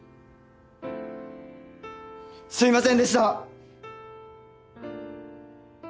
すいませんでした！